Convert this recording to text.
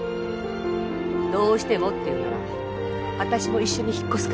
どうしてもっていうなら私も一緒に引っ越すから。